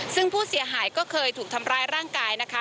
ซึ่งผู้เสียหายก็เคยถูกทำร้ายร่างกายนะคะ